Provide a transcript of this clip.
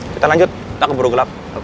kita lanjut kita keburu gelap